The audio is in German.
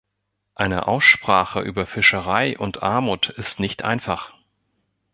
Eine Aussprache über Fischerei und Armut ist nicht einfach.